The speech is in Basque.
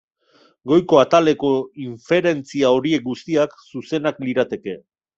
Goiko ataleko inferentzia horiek guztiak zuzenak lirateke.